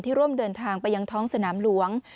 ร่วมเดินทางไปยังท้องสนามหลวง